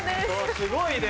すごいね。